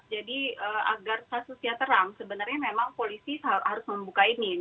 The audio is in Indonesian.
jadi agar kasusnya terang sebenarnya memang polisi harus membuka ini